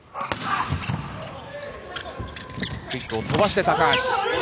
クイックを飛ばして高橋。